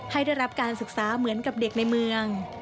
ให้ได้รับการศึกษาเหมือนกับเด็กในเมือง